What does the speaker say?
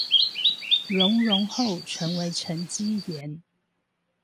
熔融後成為沈積岩